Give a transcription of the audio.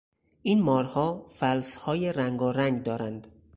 این مارها فلسهای رنگارنگ دارند.